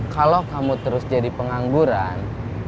kalau kamu terus jadi pengangguran